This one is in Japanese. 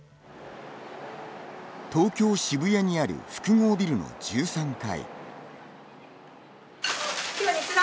東京、渋谷にある複合ビルの１３階。